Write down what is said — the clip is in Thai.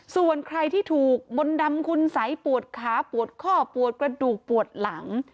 ส่วนใครที่ถูกมนต์ดำคุณสัยปวดขาปวดข้อปวดกระดูกปวดหลัง